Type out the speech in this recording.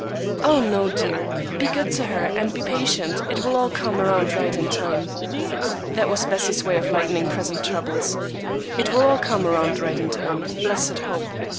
"Oh, no, dear. Be good to her, and be patient; it will all come around right in time." That was Bessie's way of lightening present troubles,—"It will all come around right in time." Blessed hope!